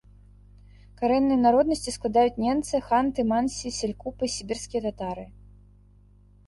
Карэнныя народнасці складаюць ненцы, ханты, мансі, селькупы, сібірскія татары.